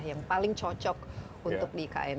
yang paling cocok untuk di ikn